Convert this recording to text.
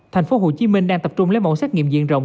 thành phố hồ chí minh đang tập trung lấy mẫu xét nghiệm diện rộng